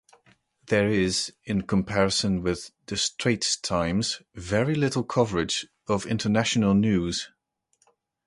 There is, in comparison with "The Straits Times", very little coverage of international news.